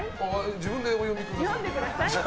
自分でお読みください。